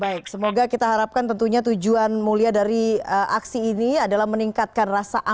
baik semoga kita harapkan tentunya tujuan mulia dari aksi ini adalah meningkatkan rasa aman